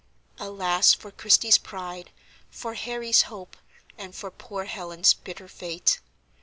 Alas, for Christie's pride, for Harry's hope, and for poor Helen's bitter fate!